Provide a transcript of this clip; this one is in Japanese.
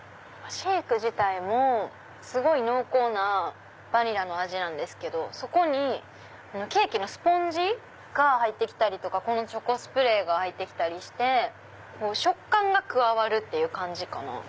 シェイク自体もすごい濃厚なバニラの味なんですけどそこにケーキのスポンジが入って来たりとかこのチョコスプレーが入って来たりして食感が加わるっていう感じかな。